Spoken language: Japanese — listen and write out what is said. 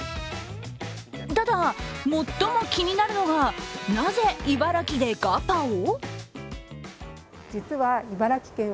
ただ、最も気になるのが、なぜ、茨城でガパオ？